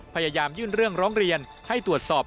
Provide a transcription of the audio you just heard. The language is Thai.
พยายามยื่นเรื่องร้องเรียนให้ตรวจสอบ